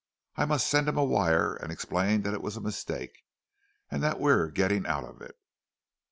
I must send him a wire and explain that it was a mistake, and that we're getting out of it."